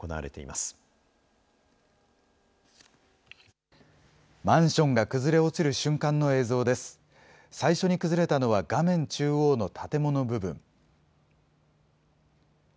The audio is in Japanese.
最初に崩れたのは、画面中央の建物部分。